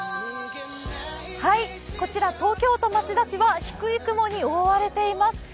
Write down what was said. こちら、東京都町田市は低い雲に覆われています。